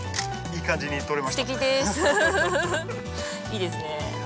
いいですね。